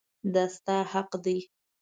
دا ستا حق دی.